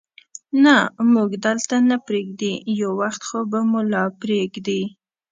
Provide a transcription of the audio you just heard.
نه، موږ هلته نه پرېږدي، یو وخت خو به مو لا پرېږدي.